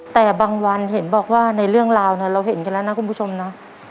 แต่บางวันเห็นบอกว่าในเรื่องราวเนี่ยเราเห็นกันแล้วนะคุณผู้ชมนะ